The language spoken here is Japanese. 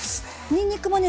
にんにくもね